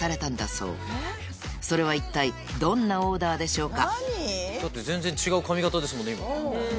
そうそれは一体どんなオーダーでしょうか？